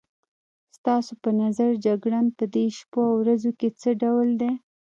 ستا په نظر جګړن په دې شپو او ورځو کې څه ډول دی؟